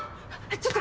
ちょっと。